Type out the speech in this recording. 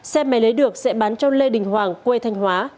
xe máy lấy được sẽ bán cho lê đình hoàng quê thanh hóa